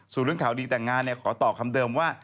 ส่วนเรื่องข่าวดีแต่งงานขอตอบคำเดิมว่า